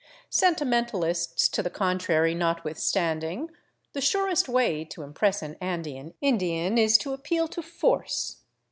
Sentimentalists to the contrary notwithstanding, the surest way to impress an Andean Indian is to appeal to force.